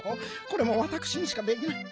これもわたくしにしかできない。